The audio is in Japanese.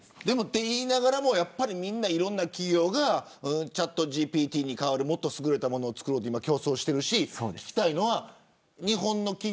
そう言いながらもいろんな企業がチャットＧＰＴに代わるもっと優れたものを作ろうと競争しているし、聞きたいのは。